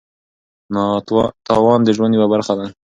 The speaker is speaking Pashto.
تاوان د ژوند یوه برخه ده.